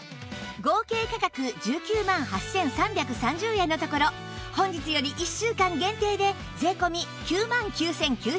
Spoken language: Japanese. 合計価格１９万８３３０円のところ本日より１週間限定で税込９万９９００円